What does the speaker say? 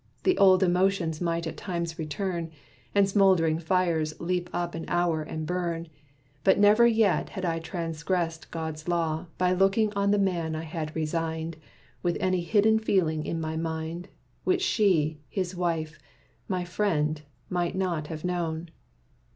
The old emotions might at times return, And smold'ring fires leap up an hour and burn; But never yet had I transgressed God's law, By looking on the man I had resigned, With any hidden feeling in my mind, Which she, his wife, my friend, might not have known.